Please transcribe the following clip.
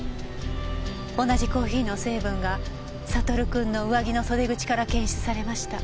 同じコーヒーの成分がサトル君の上着の袖口から検出されました。